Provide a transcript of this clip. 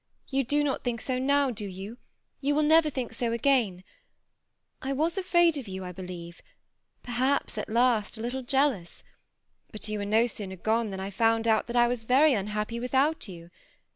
You do not think so now, do you? You never will think so again ? I was afraid of you, I believe, — per haps at last a little jealous; but you were no sooner gone, than I found out that I was very unhappy with out you.